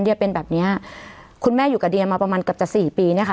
เป็นแบบเนี้ยคุณแม่อยู่กับเดียมาประมาณเกือบจะสี่ปีเนี้ยค่ะ